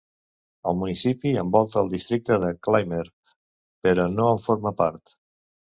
El municipi envolta el districte de Clymer, però no en forma part.